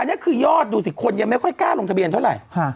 อันนี้คือยอดดูสิคนยังไม่ค่อยกล้าลงทะเบียนเท่าไหร่